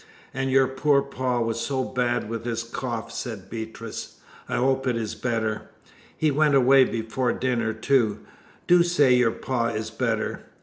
"And your poor pa was so bad with his cough," said Beatrice, "I hope it is better. He went away before dinner, too! Do say your pa is better!"